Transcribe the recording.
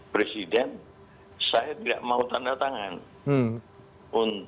presiden saya tidak mau tanda tangan